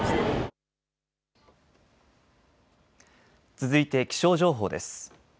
続いて気象情報です。